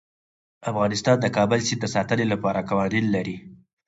افغانستان د کابل سیند د ساتنې لپاره قوانین لري.